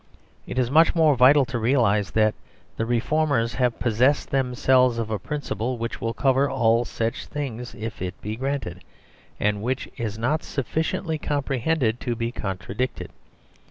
It is much more vital to realise that the reformers have possessed themselves of a principle, which will cover all such things if it be granted, and which is not sufficiently comprehended to be contradicted.